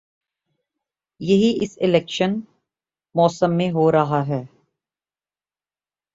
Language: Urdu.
یہی اس الیکشن موسم میں ہو رہا ہے۔